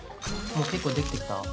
もう結構できてきた？